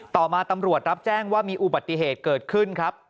ต่อมาตำรวจรับแจ้งว่ามีอุบัติเหตุเกิดขึ้นครับ